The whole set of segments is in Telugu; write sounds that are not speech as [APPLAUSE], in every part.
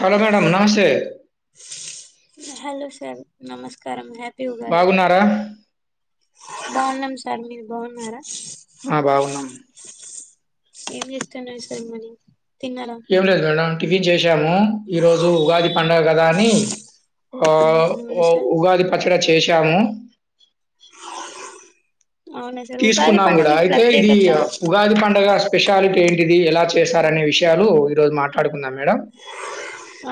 హలో మేడమ్ నమస్తే హలో సార్ నమస్కారం హ బాగున్నారా బాగున్నాం సార్ మీరు బాగున్నారా ఆ బాగున్నాం ఏం చేస్తున్నారు సార్ మరి తిన్నారా ఏం లేదు మేడం టిఫిన్ చేసాము ఈ రోజు ఉగాది పడుగ కదా అని ఓ అవును సార్ ఉగాది పచ్చరాచ చేశాము అవునా సార్ ఉగాది తీసుకున్నాం కూడా పండుగ అయితే ఇది ప్రత్యేకత ఉగాది పండగ స్పెషాలిటీ ఏంటి ఇది ఎలా చేశారనే విషయాలు ఈ రోజు మాట్లాడుకుందాం మేడం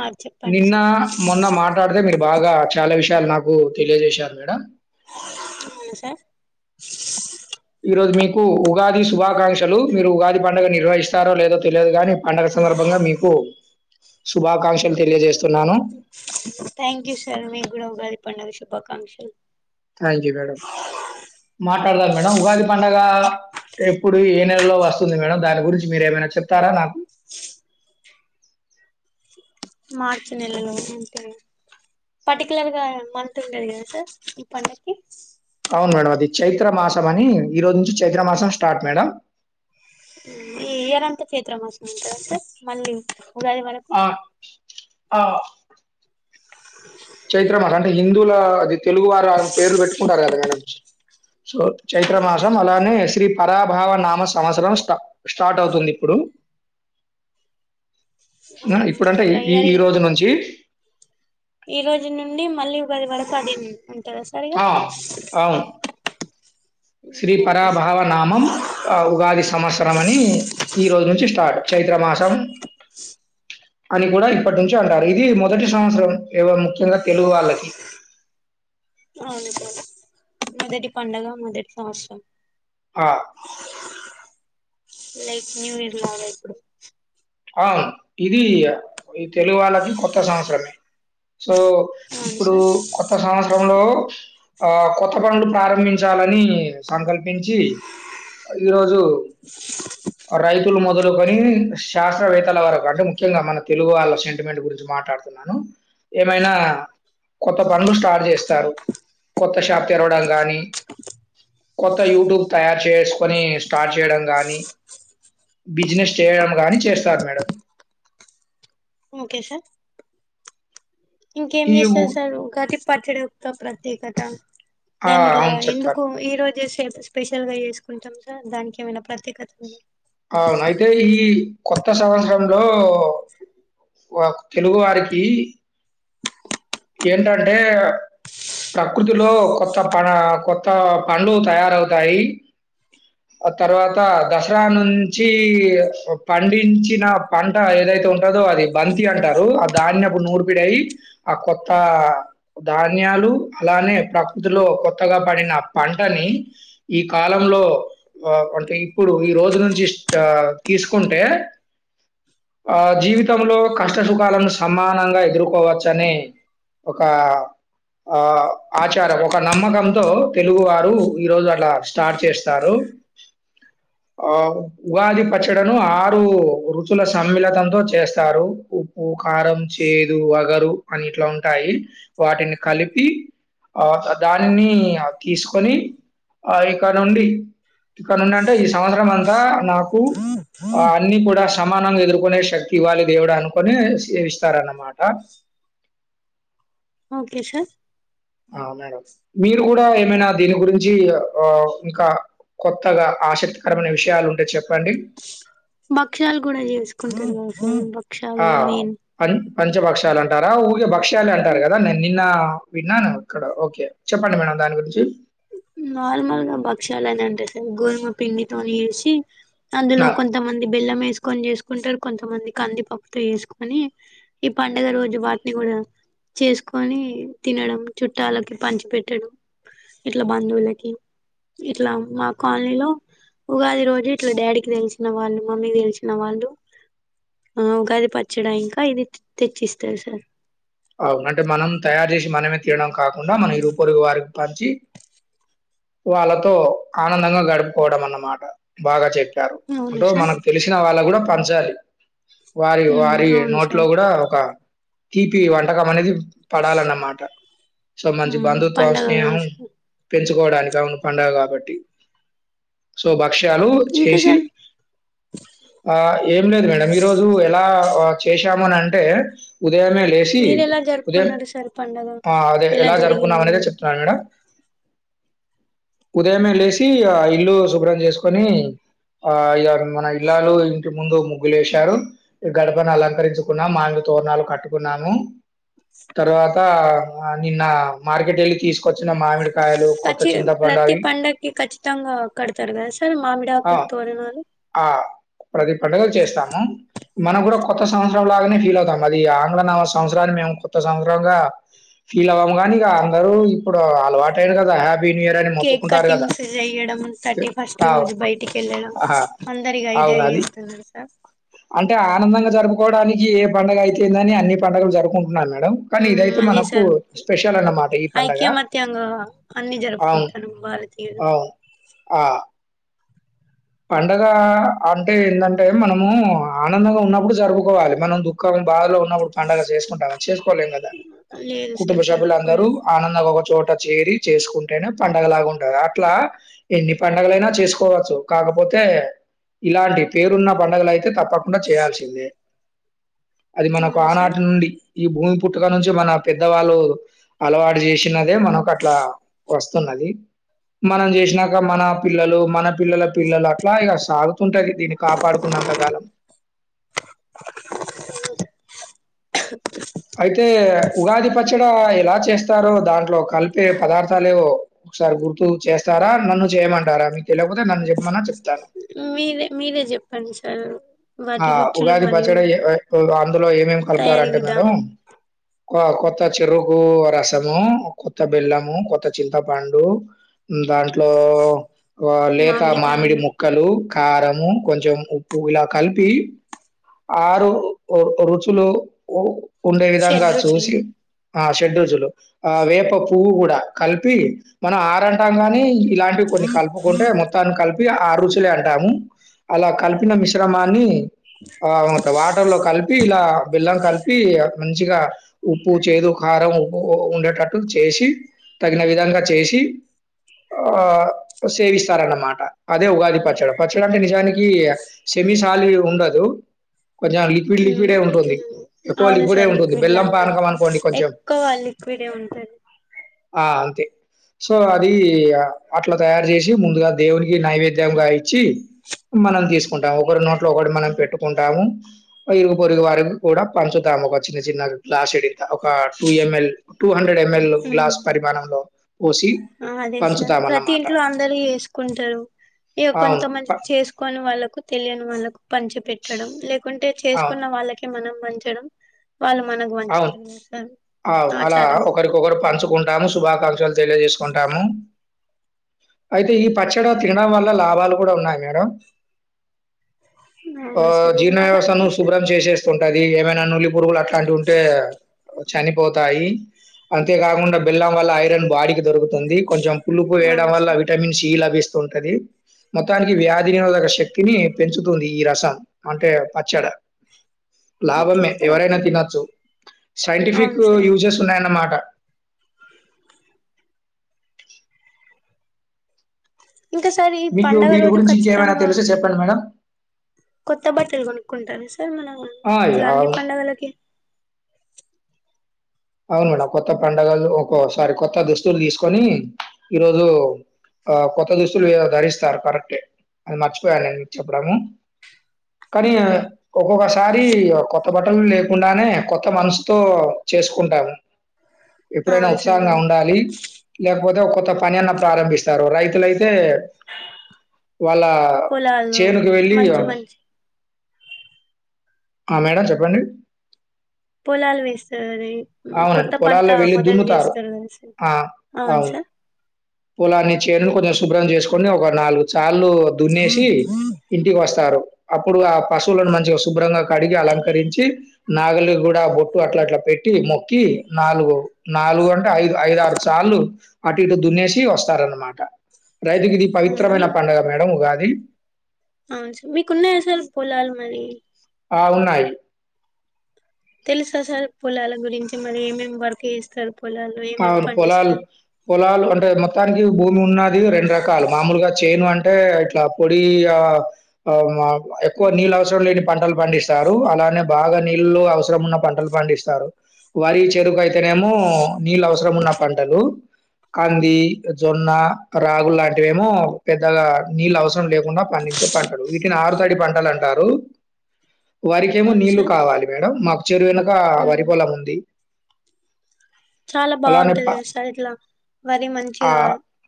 ఆ చెప్పండి నిన్న సార్ మొన్న మాట్లాడితే మీరు బాగా చాలా విషయాలు నాకు ఏం తెలియజేశారు మేడం సార్ ఈ రోజు మీకు ఉగాది శుభాకాంక్షలు మీరు ఉగాది పండుగ నిర్వహిస్తారో లేదో తెలియదు కానీ పండగ సందర్భంగా మీకు శుభాకాంక్షలు తెలియజేస్త థ్యాంక్ యూ సార్ మీ కూడా ఉగాది పండుగ శుభా శుభాకాంక్షలు థ్యాంక్ యూ మేడం. మాట్లాడదాం మేడం ఉగాది పండగ ఎప్పుడు ఏ నెలలో వస్తుంది మేడం దాని గురించి మీరు ఏమైనా చెప్తారా నాకు మార్చి నెలలో అంతే పర్టికులర్ గా మంత్ ఉండది కదా సార్ ఈ పండుగ కి అవును మేడం అది చైత్ర మాస అని ఈ రోజు నుంచి చైత్ర మాసం స్టార్ట్ మేడం ఈ ఇయరంత చైత్ర మాసం ఉంటదా సార్ మళ్ళీ ఉగాది వరకు ఆ! ఆ [INAUDIBLE] చైత్రమాస అంటే హిందూవుల అది తెలుగు వారు పేర్లు పెట్టుకుంటారు కదా మేడం సో చైత్ర అవును సార్ మాసం అలానే శ్రీ పరాభావ నామ సంవత్సరం స్టా స్టార్ట్ అవుతుంది ఇప్పుడు ఆ, ఇప్పుడంటే ఇట్లా ఈ ఈ ఇయర్ రోజు నుంచి ఈ రోజు నుండి మళ్ళీ ఉగాది వరకు అదే ఉంటదా సర్ ఇగ ఆ! అవును. శ్రీ ఓకే సార్ పరాభావనామం ఆ ఉగాది సంవత్సరం అని ఈ రోజు నుంచి స్టార్ట్ చైత చైత్ర మాసం అని కూడా ఇప్పటి నుంచి అంటారు ఇది మొదటి సంవత్సరం ముఖ్యంగా తెలుగు వాళ్ళకి అవును సర్ మొదటి పండగ మొదటి సంవత్సరం ఆ లైక్ న్యూ ఇయర్ లో లాగ ఇప్పుడు ఆ ఇది ఈ తెలుగు వాళ్ళకి కొత్త సంవత్సరమే సో అవును ఇప్పుడు సార్ కొత్త సంవత్సరంలో ఆ కొత్త పనులు ప్రారంభించాలని సంకల్పించి ఈరోజు [INAUDIBLE] మొదలుకొని శాస్త్రవేత్తల వరకు అంటే ముఖ్యంగా మన తెలుగు వాళ్ళ సెంటిమెంట్ గురించి మాట్లాడుతున్నాను ఏమైనా కొత్త పనులు స్టార్ట్ చేస్తారు కొత్త షాప్ తెరవడం కానీ కొత్త యూట్యూబ్ తయారు చేసుకొని స్టార్ట్ చేయడం కానీ బిజినెస్ చేయడం కానీ చేస్తార్ మేడం ఓకే సార్ ఇంకేం ఈ ఉ చేస్తారు సార్ ఉగాది పచ్చడి ఏకత ఆ! దానిలా అవును చెప్తాను. ఎందుకు ఈ రోజే స్పెషల్ గా చేసుకుంటాం దానికి ఏమైనా ప్రత్యేకత ఉందా అవును. అయితే ఈ కొత్త సంవత్సరంలో తెలుగు వారికి ఏంటంటే ప్రకృతిలో కొత్త ప కొత్త పండ్లు తయారవుతాయి. ఆ తర్వాత దసరా నుంచి పండించిన పంట ఏదైతే ఉంటదో అది బంతి అంటారు. ఆ ధాన్యపు నూర్పిడై ఆ కొత్త ధాన్యాలు అలానే ప్రకృతిలో కొత్తగా పడిన పంటని ఈ కాలంలో ఆ అంటే ఇప్పుడు ఈ రోజు నుంచి తీసుకుంటే ఆ జీవితంలో కష్ట సుఖాలను సమానంగా ఎదుర్కోవచ్ చనే ఒక ఆ ఆచారం ఒక నమ్మకంతో తెలుగు వారు ఈ రోజు అట్ల స్టార్ట్ చేస్తారు. ఆ ఉగాది పచ్చడను ఆరు రుచుల సమ్మిళతంతో చేస్తారు. ఉప్పు, కారం, చేదు, వగరు. అని ఇట్ల ఉంటాయి. వాటిని కలిపి ఆ దానిని తీసుకొని ఆ ఇక నుండి ఇక నుండి అంటే ఈ సంవత్సరం అంతా నాకు ఆ అన్ని కూడా సమానంగా ఎదుర్కొనే శక్తి ఇవ్వాలి దేవుడు అనుకుని ఇస్తారన్నమాట. ఓకే సార్ ఆ మేడం మీరు గుడా ఏమైనా దీని గురించి ఆ ఇంకా కొత్తగా ఆసక్తికరమైన విషయాలు ఉంటే చెప్పండి. బక్ష్యాలు గుడా జేసుకుంటరు గదా సార్ ఆ భక్షాలు మెయిన్ అన్ పంచభక్షలు అంటారా ఊగే భక్ష్యాలే అంటారు కదా నేన్ నిన్న విన్నాను. ఇక్కడ ఓకే చెప్పండి మేడం దాని గురించి నార్మల్గా భక్ష్యాలని అంటే సార్ గోదుమ పిండితోని చేసి అందులో ఆ! కొంతమంది బెల్లం ఏసుకొని చేసుకుంటరు కొంతమంది కందిపప్పుతో ఏస్కొని పండగ రోజు వాట్ని గుడా చేసుకొని తినడం చుట్టాలకి పంచి పెట్టడం. ఇట్ల బంధువులకి ఇట్ల మా కాల్నీలో ఉగాది రోజు ఇట్ల డాడీకి తెలిసిన వాళ్ళు మమ్మీకి తెలిసిన వాళ్ళు ఆ ఉగాది పచ్చడా ఇంకా ఇది తెచ్చిస్తారు సార్ అవును అంటే మనం తయారు చేసి మనమే తినడం కాకుండా మన ఇరుగుపొరుగు వారి పంచి వాళ్ళతో ఆనందంగా గడుపుకోవడం అన్నమాట. బాగా చెప్పి ప్పారు. అవును అంటే సార్ మనకు తెలిసిన వాళ్ళక్ గుడా పంచాలి. వారి ఉమ్ వారి అవును నోట్లో సార్ గుడా ఒక ఈ వంటకం అనేది పడాలన్నమాట. సో మంచి ఉమ్ బంధుత్వం పండగ కదా స్నేహం సార్ పెంచు కోవడానికి అవును పండుగ కాబట్టి సూపర్ బక్షాలు ఇంకా చేసి సార్ ఆ ఏం లేదు మేడం ఈ రోజు ఎలా చేశాం అంటే ఉదయమే సి మీరు ఎలా ఉదయం జరుపుకున్నారు సార్ పండగ ఆ అదే ఎలా జరుపుకున్నాం జరిగింది అనేదే మరి చెప్తున్నాను మేడమ్ ఉదయమే లేసి ఆ ఇల్లు శుభ్రం చేసుకొని ఆ ఇగ మన ఇల్లాలు ఇంటి ముందు ముగ్గులు ఏశారు. గడపను అలంకరించుకున్నాం మామిడి తోరణాలు కట్టుకున్నా ము. తర్వాత ఆ నిన్నా మార్కెట్ ఎళ్ళి తీసుకొచ్చిన మామిడి సచ్చి ప్రతి పండగ్కి ఖచ్చితంగా కడతారు కదా సార్ ఆ! మామిడాకులు, తోరణాలు ఆ! ప్రతి పండుగలు చేస్తాము. మనం గుడా కొత్త సంస్ పండుగలానే ఫీల్ అవుతాం అది ఆంగ్ల న సంవత్సరాన్ని మేము కొత్త సంవత్సరంగా ఫీల్ అవ్వము. గానీ [INAUDIBLE] ప్పుడు అలవాటైరు గదా హ్యాప్ కేక్ కటింగ్స్ చెయడం తి థర్టీ ఫస్ట్ అవు రోజు బయటికి ఎళ్ళడం. ఆహా! అందరిగ ఇదే అవును అది. ఇస్తరు తెలుసా. జరుపుకోడానికి ఏ పండుగ అయితేందని అని. పండగలు జరుపుకున్. వున్నార్ మేడం కానీ మ్మ్ ఇదైతే అదే మనకు సార్ స్పెషల్ అన్నమాట ఈ పండగ. ఐక్యమత్యంగా అన్ని అవున్ జరుపుకుంటాను భారతీయులు అవ్ ఆ. పండగ అంటే ఏందంటే మనము ఆనందంగా ఉన్నప్పుడు జరుపుకోవాలి మనం దుఃఖం బాధలో ఉన్ ఉన్నప్పుడు పడుగ సేసుకుంటావా చేసుకోలేం గదా లేదు కుటుంబ సార్ సభ్యులు అందరూ జరుపుకోలేదు ఆనందంగా ఒక చోట్. ట్ట చేరి చేసుకుంటేనే పండగలాగా ఉంటద అట్లా ఎన్ని. పండగలైనా చేసుకోవచ్చు. కాకపోతే ఇలాంటి పేరున్న పండగలైతే తప్పకుండ్. కుండా చేయాల్సిందే. అది మనకు అవును సార్ ఆనాటి నుండి. ఈ భూమి పుట్టుక నుంచి మన పెద్దవాళ్ళు అలవాటు చేసినదే మనకు అట్లా వస్తున్నది. మనం చేసినాక మన పిల్లలు మన పిల్లల పి పిల్లలు అట్లా ఇగ సాగుతుంటది. దీన్ని కాపాడుకున్నంత కాలం అయితే ఉగాది పచ్చడా ఎలా చేస్. స్తారో దాంట్లో కలిపే పదార్థాలేవో, ఒకసారి గుర్తు చేస్తారా నన్ను చేయమంటారా, మీకు తెలియకపోతే నన్ను చెప్పమన్నా చెప్తాను. మీ మీరే మీరే చెప్పండి సారు. ఆ ఉగాది పచ్చడి అయ్యే ఏవో అందులో ఏమేమి తయారీ కలుపుతారంటే మేడం. విధానం కొ కొత్త చెరుకు రసము, కొత్త బెల్లము, కొత్త చింతపండు, దాంట్లో ఓ లేత మామిడి మామిడికాయలు ముక్కలు. కారము కొంచెం ఉప్పు గుల కలిపి ఆరు ఓ ఓ రుచులు ఓ ఉండే విధంగా షడ్రుచులు చూసి. ఆ షడ్రుచులు. ఆ వేప పువ్వు కూడా కలిపి మనం ఆరంటాం గానీ. ఇలాంటివి కొన్ని కలుపుకుంటే మొత్తం కల్పి. ఇగ ఆరు రుచులే అంటాము అలా కలిపిన మిశ్ మిశ్రమాన్ని ఆ ఒక వాటర్ లో కలిపి ఇలా బెల్లం కలిపి ఇగ మంచిగా ఉప్పు, చేదు, కారం, ఉప్పు ఉ ఉండేటట్టు చేసి, తగిన విధంగా చేసి, ఆ సేవిస్తారన్నమాట. అదే ఉగాది పచ్చడ పచ్చడి అంటే నిజానికి య. సెమీ సాలిడ్ ఉండదు. కొంచెం లిక్విడ్ ఊ లిక్విడే ఉంటుంది. ఊ ఎక్కువ అవును లిక్విడే సార్. ఉంటుంది. లిక్విడ్ బెల్లం లానే పానకం అనుకోండి కొంచెం ఎక్కువ లిక్విడే ఉంటది. ఆ అంతే సో అది ఇగ అట్లా తయారు చేసి ముందుగా దేవునికి నైవేద్యంగా ఇచ్చి మనం తీసుక్. కుంటాము. ఒకరి నోట్లో ఒకటి మనం పెట్టుకుంటాము. ఇరుగు పొరుగు వారిని కూడా పంచుతాము ఒక చిన్న చిన్న గ్లాసుదింత ఒక two ML two hundred ML లు ఉమ్ గ్లాస్ పరిమాణం లో. ఆ అదే సార్ ప్రతి ఇంట్లో అందరు చెసుకుంటారు ఇక అవును. కొంతమంది ప చేసుకోని వాళ్ళకు తెలియని వాళ్ళకు పంచి పెట్టడం లేకుంటే అవును. చేసుకున్న వాళ్ళకే మనం పంచడం వాళ్ళు మనకు అవును పంచుతారు కదా సార్ ఔ అలా ఆచారంగా ఒకరికొకరు పంచుకుంటాము శుభాకాంక్షలు తెలియజేసుకుంటాము అయితే ఈ పచ్చడ తినడం వల్ల లాభాలు కూడా ఉన్నాయి మేడం ఆ అవునా సార్ ఏం జీర్ణ లాభాలు వ్యవస్థను ఉన్నాయి సార్ శుభ్రం చేసేస్తు అది ఏమనా నుల్లి పురుగుల టే చనిక్ పోతాయి అంతేకాకుండా బెల్లం వల్ల ఐరన్ బాడికి దొరుకు ఉంది కొంచెం పులుపు వేయడం అవును వల్ల సార్ విటమిన్ సి లభిస్తు ఉంటది మొత్తానికి వ్యాధి నిరోధక శక్తిని పెంచుతుంది ఈ రస అంటే పచ్చడ ఓకే లాభమే సార్ ఎవరైనా ఓకే తినచ్చు సైంటిఫిక్ అవును సార్ యూజెస్ ఉన్నాయన్నమా అ ఇంకా సార్ ఈ మీకు పండగ దీని రోజు గురించి ఇంకేమైనా ఖచ్చితంగా తెలుస్తే చెప్పండి మేడం కొత్త బట్టలు కొనుక్కుంటారు [INAUDIBLE] మనం ఆ! ఇట్లా అన్ని అవును. పండగలకి అవును మేడం కొత్త పండగలు ఒక్కో సారి కొత్త దుస్తులు తీసుకొని ఈరోజు ఆ కొత్త దుస్తులు ధరిస్తారు కరెక్టే అది మర్చిపోయాను నేను మీకు చెప్పడము కానీ ఉమ్ ఒక్కొక్క సారి కో బట్టన్ వి లేకుండానే కొత్త మనసుతో చేసు కుంటాను ఎప్పుడైనా అవును ఉత్సాహంగా సరిగా ఉండాలి లేపో పోతే ఒక కొత్త పని అన్న ప్రారంభిస్తారు రైతులై తే వాళ్ళ పొలాలు చేనుకు వెళ్ళి మంచి మంచి ఆ మేడం చెప్పండి పొలాలు వేస్తారి అవునండి పొలాల్లో వెళ్ళి దున్నుతారు కదా సార్. ఆ అవును పొలాన్ని చేను కొంచెం శుభ్రం చేసుకొని ఒక నాలుగు చాల ళ్ళు దున్నేసి ఇంటికి వస్తారు అప్పుడు ఆ పశువులను మంచిగా శుభ్రంగా కడిగి అలంకరించి నాగలి గ్గూడ బొట్టు అట్లా అట్లా పెట్టి మొక్కి నాలుగు నాలుగు అం ఐదు ఐదారు సార్లు అటు ఇటు దున్నేసి వస్తారనమాట రైతుకి ఇది ఆ, మీ పవిత్రమైన పండుగ మేడం ఉగాది అయి. అవును సార్ మీకున్న ఎసాలకి పోలాలి మరి ఆ ఉన్నాయి తెలుసా సార్ పొలాల గురించి మరి ఏమేమి వర్క్ చేస్తరు అవును పొలాల్ పొలాలు అంటే మ మొత్తానికి భూమి ఉన్నా ది రెండు రకాలు మామూలుగా చేను అం అంటే ఇట్లా పొడి అ మ ఎక్కువ ఉమ్, నీళ్ళ అవసరం లేని పంటలు పండిస్తారు అలానే బాగా నీళ్ళు అవసరం ఉన్న పంటలు పండిస్తారు వరి చెరుకు అయితేనేమో నీళ్ళు అవసరం ఉన్న పంటలు. కంది, జొన్న, రాగులు, లాంటివిమో పెద్దగా నీళ్ళు అవసర వర్షం లేకుండా పండించే పంటలు వీటిని ఆరుతడి పంట. అని అంటారు. వారికేమో అవును నీళ్లు సార్ కావాలి మేడం మాకు చెరు వెనక వరి ఉమ్, పొలం ఉంది చాలా అలానే ప బావుంటది సార్ ఇట్లా. వరి ఆ! మంచిగా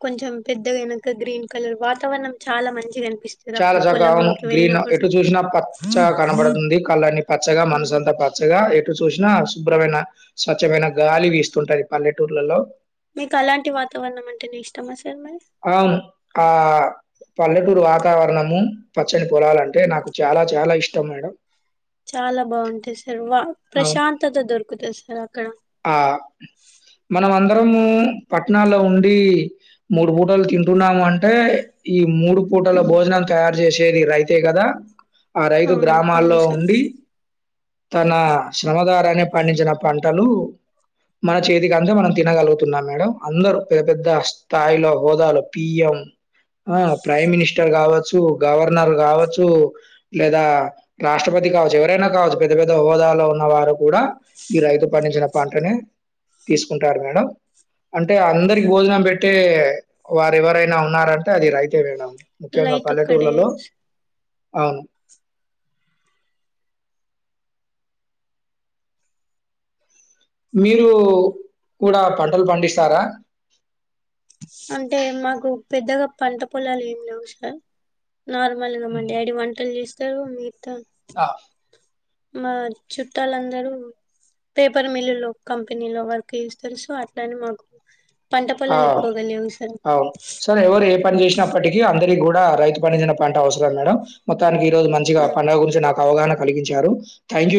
కొంచెం పెద్దగా వెనుక గ్రీన్ కలర్ వాతావరణం చాలా మంచిగా అని చాలా చక్కగా అవును గ్రీన్ ఎటు చూసినా పచ్చగా కనపడుతుంది కళ్ళన్నీ పచ్చగా మనసు ఉమ్, అంతా పచ్చగా. ఎ ఎటు చూసినా శుభ్రమైన స్వచ్ఛమైన గాలి వీస్తుంటది పల్లెటూర్లలో మీకు అలాంటి వాతావరణం అంటే నే ఇష్టమా సార్ మరి అవును ఆ పల్లెటూరు వాతావరణము పచ్చని పొలాలంటే నాకు చాలా చాలా ఇష్టం మేడం. చాలా బావుంటది సార్ సర్వా అవును. ప్రశాంతత దొరకుతది సార్. అ ఆ మనం అం అందరము పట్టణాల్లో ఉండి మూడు పూటలు తింటున్నాము అంటే ఈ మూడు పూటల భోజనాలు తయారు చేసేది రైతే కదా ఆ రైతు అవును గ్రామాల్లో అవును సార్ ఉండి తన శ్రమదారాన్ని పండించిన పంటలు మన చేతికి అంతా మనం తినగలుగుతున్నాం మేడం అందరూ పెద్ద పెద్ద స్థాయిలో హోదలో పియ్యం ఆ ప్రైమ్ మిని స్టర్ కావచ్చు, గవర్నర్ కావచ్చు లేదా రాష్ట్రపతి కావచ్చు ఎవరైనా కావచ్చు, పెద్ద పెద్ద హోదాలో ఉన్న వారు కూడా ఈ రైతు పండించిన పంటనే తీసుకుంటారు మేడం అంటే అందరికి భోజనం పెట్టే వారు ఎవరైనా ఉన్నారంటే అది రైతే మేడం. ముఖ్యంగా లైట్ ఒక్కడే పల్లెటూర్లలో సార్. అవును. మీరు కూడా పంటలు పండిస్తారా. అంటే మాకు పెద్దగా పంట పొలాలు ఏమి లేవు సార్. నార్మల్గామ్మండి అడి వంటలు చే రు మీతా ఆ మా చుట్టాలందరూ పేపర్ మిల్లు లో కంపెనీలో వర్క్ చేస్తరు సో అట్లా అని మాకు పంట ఆ పొలాలు ఎక్కువగా లేవు సార్ అవు సరే ఎవరు ఏ పని చేసినప్పటికీ అందరి కూ డా రైతు పండించిన పంట అవసరం మేడం మొత్తానికి ఈ రోజు మంచిగా ఉ పండగ గురించి నాకు అవగాహన కలిగించారు థ్యాంక్ యూ